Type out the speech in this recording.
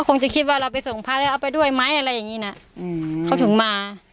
คงจะคิดว่าเราไปส่งพระแล้วเอาไปด้วยไหมอะไรอย่างงี้น่ะอืมเขาถึงมา